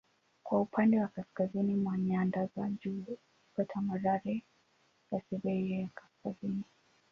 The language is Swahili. Kwa upande wa kaskazini mwa nyanda za juu iko tambarare ya Siberia ya Kaskazini.